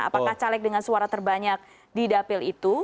apakah caleg dengan suara terbanyak di dapil itu